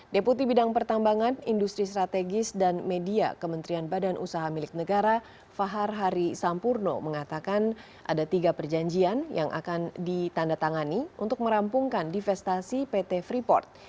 deputi bidang pertambangan industri strategis dan media kementerian badan usaha milik negara fahar hari sampurno mengatakan ada tiga perjanjian yang akan ditanda tangani untuk merampungkan divestasi pt freeport